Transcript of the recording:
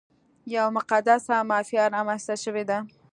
یوه مقدسه مافیا رامنځته شوې ده.